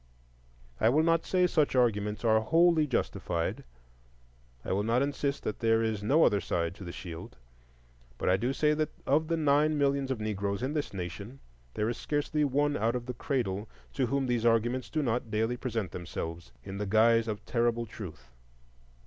I will not say such arguments are wholly justified,—I will not insist that there is no other side to the shield; but I do say that of the nine millions of Negroes in this nation, there is scarcely one out of the cradle to whom these arguments do not daily present themselves in the guise of terrible truth.